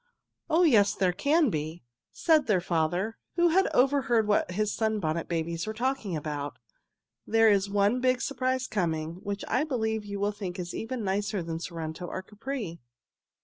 "Oh, yes, there can be!" said their father, who overheard what his Sunbonnet Babies were talking about. "There is one big surprise coming, which I believe you will think is even nicer than Sorrento or Capri."